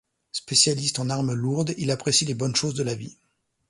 Spécialiste en armes lourdes, il apprécie les bonnes choses de la vie.